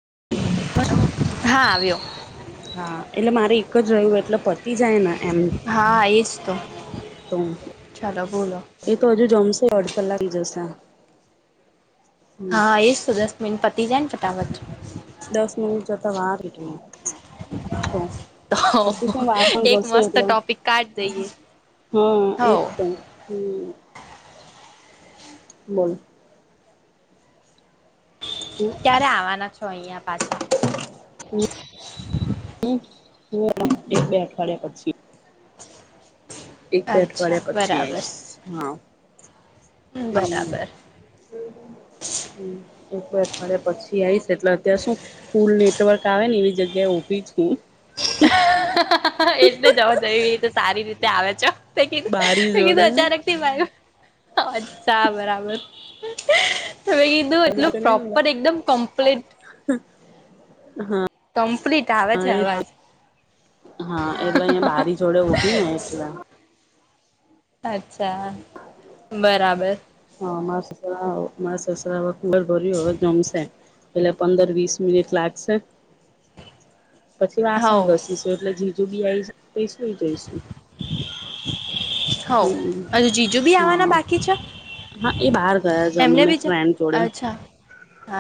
[inaudible] હા આવ્યો. હા એટલે મારે એક જ રહ્યું એટલે પતી જાય ને. એમ હા એજ તો તો, ચાલો બોલો એ તો હજુ જમશે. [unintelligible] જશે. હમ હા એજ તો દસ મિનીટ પતિ જાયન ફ ટાફટ. દસ મિનિટ જતા વાર. તો. તો તો પછી શું વાસણ એક કરશે મસ્ત એટલે ટોપિક કાઢ દઈએ હા હો એજ તો હમ. [unintelligible] ક્યારે આવવાના છ. છ અહીંયા પાછા. એક બે અઠવાડિયા પછી. એક બે અચ્છા અઠવાડિયા પછી બરાબર આવીઈશ હા હમ બરાબર હમ. એક અઠવાડિયાે પછી આવીઈશ એટલે અત્યારે શું ફૂલ નેટવર્ક આવે ને એવી જગ્યાએ ઉભી છું. એટલે જવા જઈ તો સારી રીતે [unintelligible] ત્યાવે છે. બારી જોડે [unintelligible] અચ્છા બરાબર. હમે કીધું એટલું પ્રોપર એકદમ કમ્પ્લીટ હા કમ્પ્લીટ આવે છે એ અવાજ હા એટલે અહીયાયા બારી જોડે ઉભી ને એટલા. અચ્છા બરાબર. હાસ મા સસરા ખબર ભરી હો જમશે. એેલે પંદર વીસ મિનિટ લાગશે. પછી વાસણ હવ ઘસીશું એટલે જીજુ બી આવીશું. પૈસું એ જૈસું. હોવ હમ હજુ જીજુ બી આવવાના હા બાકી છે હા એ બહાર ગયા છે એમને અમીને બી છે ફ્રેન્ડ જોડે અચ્છા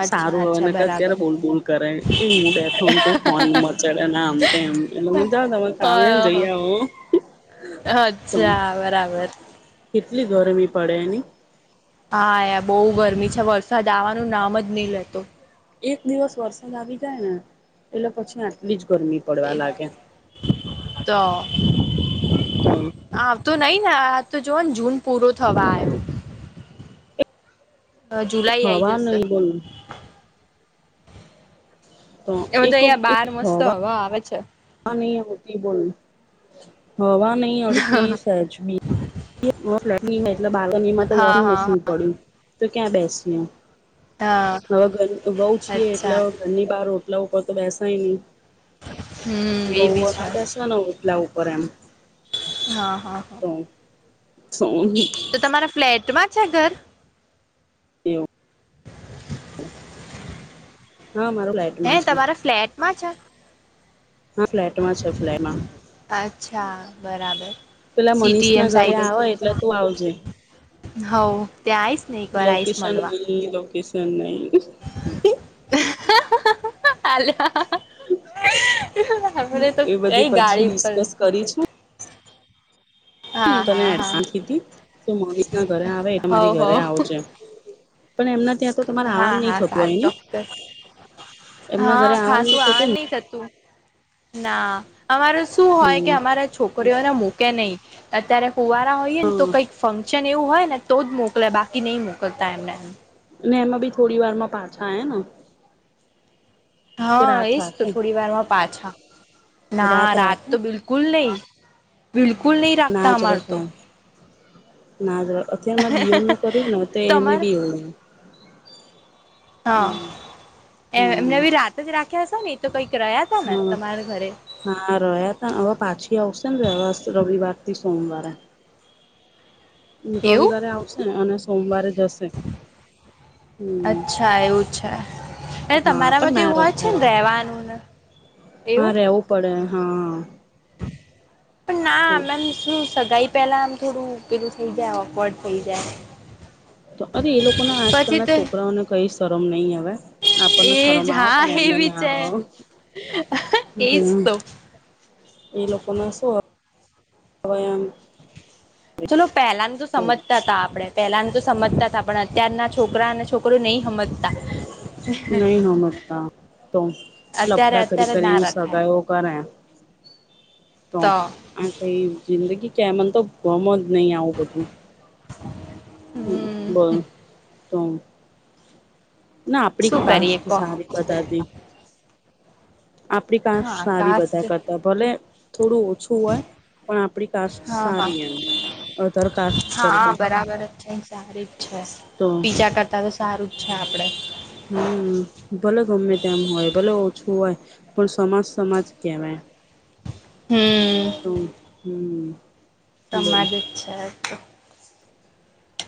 અચ્છા સારું અચ્છા હને કે અત્યારે બરાબર બોલ બોલ કરે કે હું બેઠું તું ફોન મચડે આમમ એટલે મજા તમે કામને ઓહો જઈ. હમ. અચ્છા બરાબર. [inaudible] કેટલી ગરમી પડે એની. હા યાર બહુ ગરમી છે વરસાદ આવાનું નામ જ નહી લેતો. એક દિવસ વરસાદ આવી જાય ને એટલે પછી આટલી જ. ગરમી પડવા લાગે તો તો. તો નઈ ને આ તો જોવા ને જૂન પૂરો થવા આવ્યો. એક જુલાઈ આઈ હવા જશે નહી બોલ. એમાં તો અહિયાં બાર મસ્ત હવે આવે છે. ન એમુંતી બો. હવા નહી અડતી સહેજ બી્. [inaudible] એટલે બાગન એમાં તો હા વોશિંગ હા હા મશીન પડ્યું. તો ક્યાં બેસીતી હા હ. હવે ઘર વઉ છીએ એટલે અચ્છા હવે ઘરની બહાર રો. લોકો કો તો વૈસા નહીં. [inaudible] એ ગહ બી છે ના બેસ ન હો. લા ઉપરમ. હા હા હા. સો. તો મા છે ઘર. એવું. [inaudible] હા મારું લાઈટમાં છે. મા છેા. હા ફ્લેટમાં છે ફ્લેટમાં અચ્છા બરાબર પેલા મનીષ સીટી એમ ના ઘરે સાઈડ આવે જ છે. એટલે તું આવજે હવ ત્યાં આઈશ ને એક વાર આઈશ લોકેશન મળવા નકેન. જને. [inaudible] હાલ. આપરે તો એ બધી કઈ પછી ગાડી પર. ડિસ્કસ કરી છે હું હા તને હા હા શાંતિથી તુ મહેશના ઘરે આવે ત મારી હોવ ઘરે હોવ આવજે પણ એમના ત્યાં તો તમારે હા આવવાનું નહી હા થતું સારું હોય ની ચોક્કસ એમના હા ઘરે આવવાનું નહી થતું ખાસું [unintelligible] થતું ના અમારે શું ને હોય કે અમારા છોકરીઓને મૂકે નય અત્યારે કુવારા હોયએ તો હા કંઈક ફં સન એવું હોય ને તો જ મોકલે બાકી ની મોકલતા એમને એમ ને એમાં બી થોડી વારમા પાછા [unintelligible] ના હા એજ તો થોડી વારમાં પાછા ના રાત તો બિલકુલ નઈ બિલ કુલ નઈ રાખતા અમાર તો ના અથિયાર માં દિયોન નું કર્યું ને તો એને તમારે બી હો હા હમ હમ ખયા છે ને એ તો કઈ હમ્મ, હા રહ્યા તા હવે પાછી આવશે ને રેવા રવિવાર થી સોમવારે. એવું રવિવારે આવશે અને સોમવારે જશે હમ અચ્છા એવું છે અને હા પણ તમારામાં તો ના એવું હોય છે રખાય ને રાત રહેવાનું ને, હા એવું રેવું પડે હા. પણ ના તો મેમ શું સગાઈ પહેલાં આમ થોડુ પેલું થઈ જાય ઓકવર્ડ થઈ જાય. તો અરે એ લોકોને આજકાલ પછી ના તો છોકરાઓને કહીશ ગરમ નહીં અ વે આપણને સરમ એજ આવો હા પણ એમને એવી ના છે આવે એજ તો [inaudible] એ લોકોને શું વયમ. ચલો પહેલા તો સમજતા હતા આપડે પેલા ને તો સમજતા હતા પણ અત્યારના છોકરા અને છોકરો નય હમજતા. નહી હમજતા તો અત્યારે લફડા કરી અત્યારે ના કરી રખાય સગાયઓ કરે. તો આ કઈ જિંદગી કે મન તો ગમન નહી આવું બધું. હમ્મ હમ બોલ. તોમ. ના આપડી શું કરીએ કાષ્ટ કો સારી બધા તી. આપડી કાસ હા સારી બધા કાસ્ટ કરતા ભલે થોડું ઓછું હોય પણ આપડી કાસ હા હા સારી એમ, અધર કાસ્ટ કરતા. તારેક છે. તો પીજા કરતા તો સારું છે આપણે હમ્મ, ભલે ગમે તેમ હોય ભલે ઓછું હોય પણ સમાજ સમાજ કેવાય. તો હમ્મ. તમા જિક છે એ તો.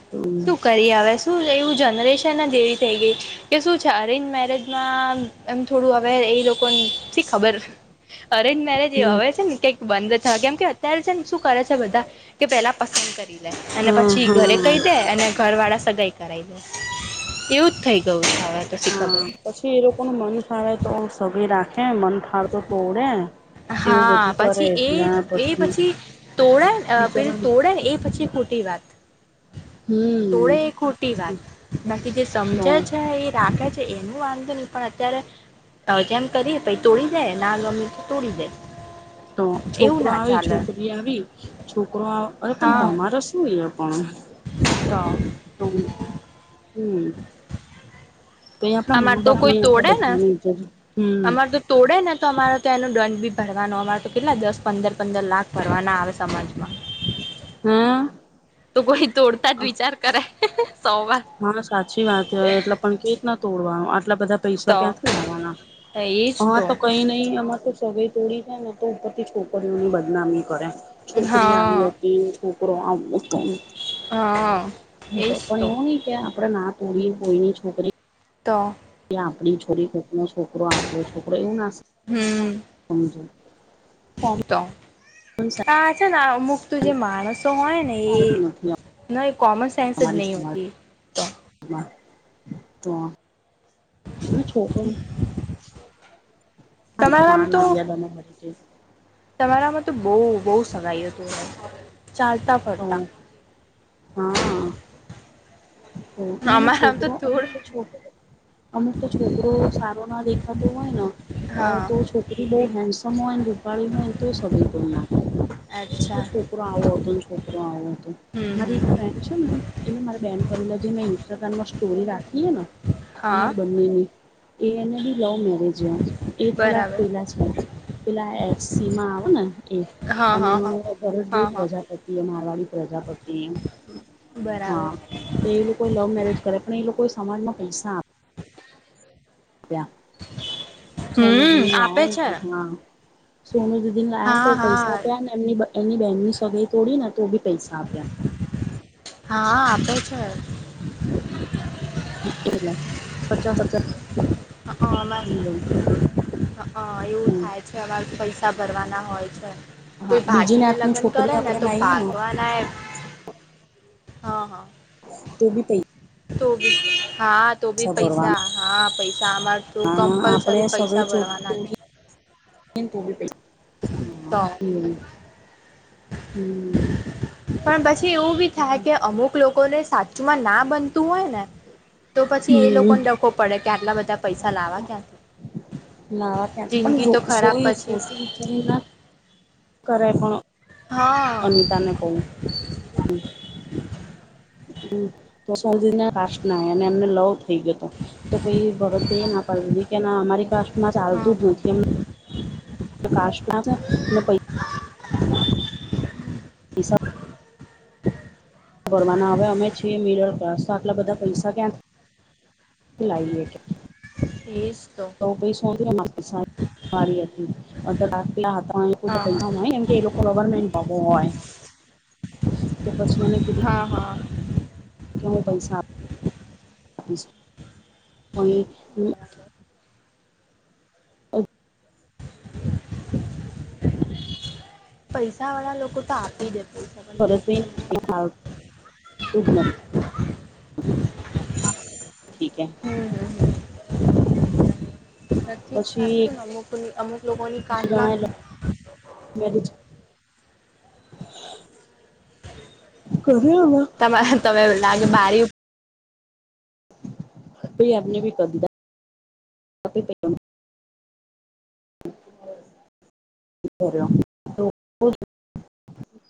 તો શું કરી એ હ શું એવું જનરેશન જ એવી થઈ ગઈ કે શું છે અરેન્જ મેરેજમાં એમ થોડું હવે એ લોકોન શી ખબર, અરેન્જ મેરેજ એ હમ આવે છે ને કઈક બંધ થ કેમ કે અત્યારે છે. શ કરે છે બધા કે પેલા પસંદ કરી લે અને હા પછી ઘરે હા કઈ. અને ઘર વાળા સગાઈ. એવું જ થઈ ગયું છે. હવે તો હા શીખબર પછી એ લોકો ન મન ફાળે તો સગી રાખે. હે મન થાળતો તોોડે. હા પછી એ એ પછી તોડે પે બિચારા તોડે ને એ પછી ખોટી વાત તોડે હમ એ ખોટી વાત બાકી જે તો સમજે છે એ. નાે છે એનું વાંધો નહી પણ અત્યારે જેમ કરીએ પ તોડી જાય નામી. તુળવે. તો છોકરો આવી છોકરી આવી છોકરો. અરે હા પણ તમારે શું એ. પણણ તો તોમ. [unintelligible] તો અહી આપણા મામા બાપ ને આપણા બધાને ઈેજ. અમાર તો તોડે ને તો અમારા. તો એનો દંડ બી ભરવાનો અમારે તો કેટલા દસ પંદર પંદર લાખ ભરવાના આવે સમાજમાં. હમ. તો કોઈ. તોડતા જ વિચાર કરાય. હા સાચી વાત એટલે પણ કે જ ના તોડવાનું. એટલા બધા પૈસા તો ક્યાંથી લાવવાના હા એજ અમાં તો કઈ નહી અ તો. સગઈ તોડી જાય ને તો ઉપરથી છોકરીઓની બદનામી કરે. છોકરી આવી હા હતી છોકરો આવ હતો હા એજ પણ તો એવો નહ. રા ના તોડી કોઈની છોકરી. તો. આપણી છોરી કોક ન છોકરો આપણો છોકરો એવું ના. હમ. સમજ. તો. પાંચ. ના અમુક તું જે માણસ. તો હોય ને એ સાંસદ નથી ના એ કોમન સેન્સ જ અમારી નહીં સમાજમાં હોતી તો તો ના છોકરો હ પન તમારામાં તો મર્યાદામાં મળરી [inaudible] તમારામાં તો બહુ બહુ સગાઈ તો હો હ હા એમાં અમારામ છોકરો અમુક થોડ તો છોકરો અમુક તો છોકરો સારો ના દેખાતો હોય ને હા તો છોકરી બહ હેન્ડસમ હોયને રૂપાળી હોય ને તો સગ તો નાખે કે અચ્છા છોકરો આવો હતો ને છોકરો આવો હતો હમ મારી એક હમ ફ્રેન્ડ છે ને એને મારા બેન ક જે મેમે ઇન્સ્ટાગ્રામ ના સ્ટોરી રાખે ને હા અમર બંનેની એને બી લવ મેરેજ એ થોડાક બરાબર પેલા છે પેલા એસી માં આવે ને એ હા હા અને હા હા ભરતભાઈ હા પ્રજાપતિ એ મારવાડી પ્રજાપતિ બરાબર હા કો લવ મેરેજ કરે પણ એ લોકો સમાજમાં પૈસા આવે હમ આપે [unintelligible] કે છે હા તોનું દીદી લને તો હા હા પૈસા આપ્યા એમની એની બેંકની સગાઈ તોડી ને તો બી પૈસા આપ્યા હા આપે છે એલા સાચા સાચા હ હ હહમા એવું થાય છે અમારે પૈસા ભરવાના હોય છે હા કોઈ બીજી ભાગીને નાતની લગ્ન છોકરી કરે ને આપણે તો લાઈએ ને ભાગવાના એ હા હા તો બી પૈસા તો બી હા તો ભી પૈસા હા પૈસા અમાર તો પણ આપણે કમ્પલસરી પૈસા ભરવાના જ [unintelligible] તો [unintelligible] હમ પણ પછી એવું બી થાય કે અમુક લોકોને સાચુંમાં ના બનતું હોય ને તો પછી એ હમ લોકોને ડકો પડે કે આટલા બધા પૈસા લાવવા ક્યાંથી લાવા ક્યાંથી પણ જિંદગી તો સો ખરાબ પછી સોચીચ ના કરે પણ હા અનિતા ને કવું હમ તો સૌધ ના કાસ ના અને એમને લવ થઈ ગયો તો કોઈ ભરત ના પાડૂ દીદી કે ના અમારી કા માં ચાલતું જ નથી એમ હમ પ્રકાશ ન પૈ [inaudible] ભરવાના હવે અમે છીએ મિડલ ક્લાસ તો આટલા બધા પૈસા ક્યાં લાવીએ કે એસ [inaudible] મા હતી અ રાત્યા હતા. હા પા પૈસામ કે લોકો ગવર્મેન્ટ [inaudible] હા હા કે હું પૈસા કોઈ પૈસા વાળા લોકો તો આપી દેતા [inaudible] [unintelligible] ઠીકે હમ હ થી ચાલ પછી એક છેું નમ મુક [inaudible] લોકોની કાટલા જણા લવ [inaudible] કર્યા તમારે તમે એવું લાગે બારીર હાઈ આપને ભી કદી [unintelligible] તો [inaudible]